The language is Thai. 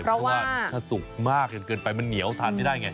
เพราะว่าถ้าสุกมากจนเกินไปมันเหนียวทานไม่ได้ไง